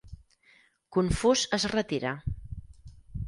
confús es retira.